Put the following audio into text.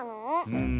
うん。